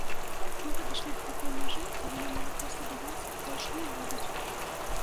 Мы падышлі да такой мяжы, калі нам ужо проста даваць больш не будуць.